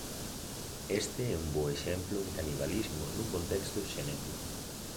Este é un bo exemplo de canibalismo nun contexto xenético.